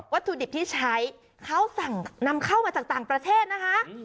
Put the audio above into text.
ถุดิบที่ใช้เขาสั่งนำเข้ามาจากต่างประเทศนะคะ